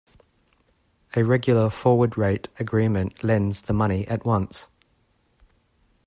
A regular forward rate agreement lends the money at once.